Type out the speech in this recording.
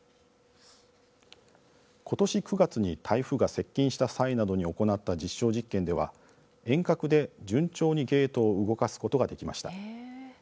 今年９月に台風が接近した際などに行った実証実験では遠隔で順調にゲートを動かすことができました。